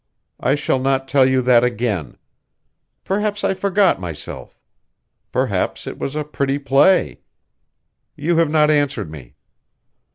I shall not tell you that again. Perhaps I forgot myself. Perhaps it was a pretty play. You have not answered me."